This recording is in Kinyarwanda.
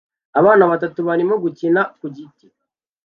Abana batatu barimo gukina ku giti